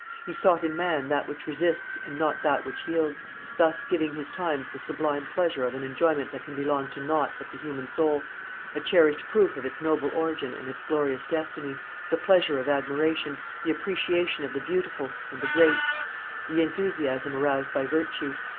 He sought in man that which resists and not that which yields, thus giving his times the sublime pleasure of an enjoyment that can belong to nought but the human soul, a cherished proof of its noble origin and its glorious destiny, the pleasure of admiration, the appreciation of the beautiful and the great, the enthusiasm aroused by virtue.